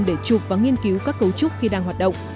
để chụp và nghiên cứu các cấu trúc khi đang hoạt động